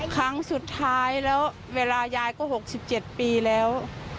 ครั้งสุดท้ายแล้วเวลายายก็๖๗ปีแล้ว